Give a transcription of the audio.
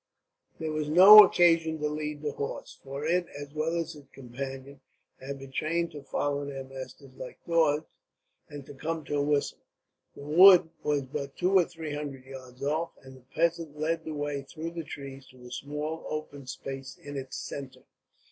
There was no occasion to lead the horse; for it, as well as its companion, had been trained to follow their master like dogs, and to come to a whistle. The wood was but two or three hundred yards off, and the peasant led the way through the trees to a small open space in its centre.